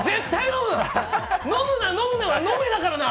飲むな、飲むなは、飲めだからな！